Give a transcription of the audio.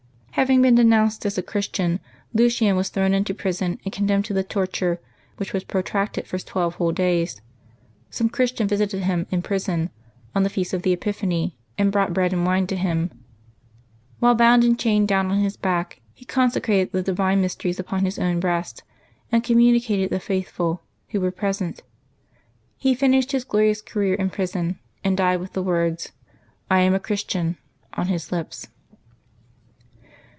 Having been denounced as a Christian, Lucian was thrown into prison and condemned to the torture, which was protracted for twelve whole days. Some Christian visited him in prison, on the feast of the Epiphany, and brought bread and wine to him; while bound and chained down on his back, he consecrated the divine mysteries upon his own breast, and communicated the faithful who were present. He finished his glorious career in prison, and died with the words, *^ I am a Christian," on his lips.